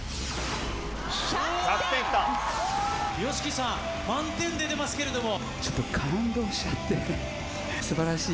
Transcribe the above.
ＹＯＳＨＩＫＩさん満点出てますけれども。